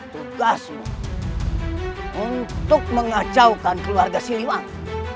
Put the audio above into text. tugasmu untuk mengacaukan keluarga siliwan